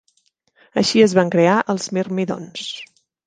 Així es van crear els mirmidons.